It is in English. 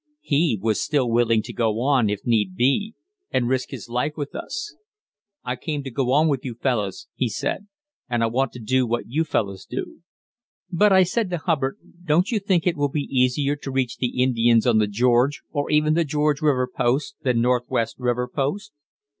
He was still willing to go on, if need be, and risk his life with us. "I came to go with you fellus," he said, "and I want to do what you fellus do." "But," I said to Hubbard, "don't you think it will be easier to reach the Indians on the George, or even the George River Post, than Northwest River Post?